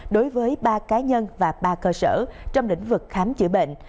đối với ba cá nhân và ba cơ sở trong lĩnh vực khám chữa bệnh